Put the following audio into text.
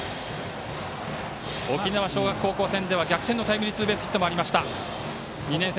沖縄尚学高校戦では逆転のタイムリーツーベースヒットもありました。